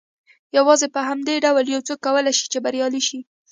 يوازې په همدې ډول يو څوک کولای شي چې بريالی شي.